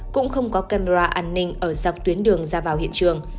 cũng không có camera an ninh ở dọc tuyến đường ra vào hiện trường